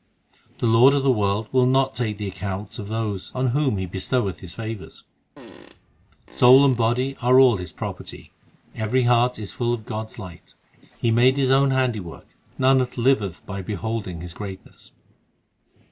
The Lord of the world will not take the accounts of those On whom He bestoweth His favours. Soul and body are all His property ; Every heart is full of God s light ; He made His own handiwork Nanak liveth by beholding His greatness.